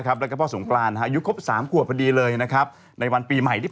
ดิฉันไม่ได้ใบ้อะไรเลย